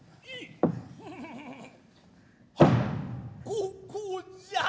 ここじゃ。